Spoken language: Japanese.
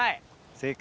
正解。